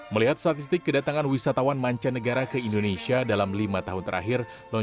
melihat statistik kedatangan wisatawan mancanegara ke indonesia dalam lima tahun terakhir